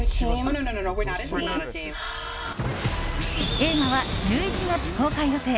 映画は１１月公開予定。